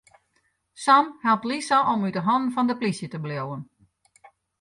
Sam helpt Lisa om út 'e hannen fan de plysje te bliuwen.